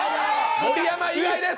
盛山以外です！